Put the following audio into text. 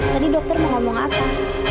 tadi dokter mau ngomong apa